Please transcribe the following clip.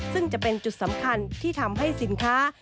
ซึ่งจะเป็นจุดสำคัญที่ทำให้สินค้า